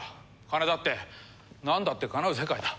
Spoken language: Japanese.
金だってなんだってかなう世界だ。